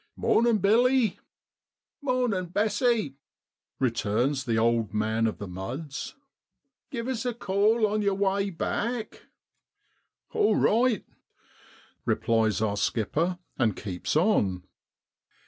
< Mornin', Billy !' 6 Mornin', Bessey !' returns the old man of the muds, ' give us a call on yer way back.' * All right !' replies our skipper, and keeps on.